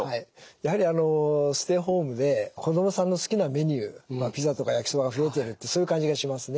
やはりあのステイホームで子どもさんの好きなメニューまあピザとか焼きそばが増えてるってそういう感じがしますね。